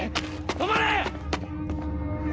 止まれ！